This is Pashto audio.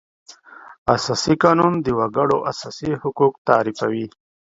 اساسي قانون د وکړو اساسي حقوق تعریفوي.